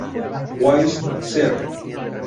Wiss" ser.